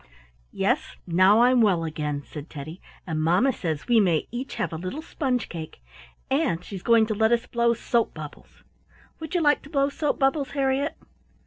"Yes, now I'm well again," said Teddy "and mamma says we may each have a little sponge cake, and she's going to let us blow soap bubbles. Would you like to blow soap bubbles, Harriett?"